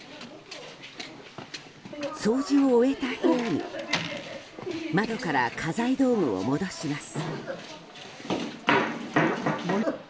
掃除を終えた部屋に窓から家財道具を戻します。